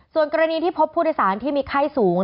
ส่วนกรณีที่พบผู้โดยสารที่มีไข้สูง